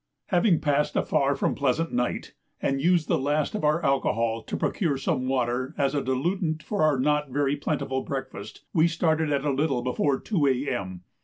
Having passed a far from pleasant night, and used the last of our alcohol to procure some water as a diluent for our not very plentiful breakfast, we started at a little before 2 A.M.